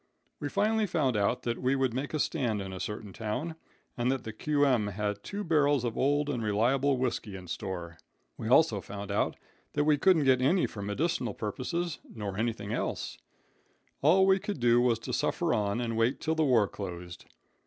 "We finally found out that we would make a stand in a certain town, and that the Q.M. had two barrels of old and reliable whisky in store. We also found out that we couldn't get any for medical purposes nor anything else All we could do was to suffer on and wait till the war closed.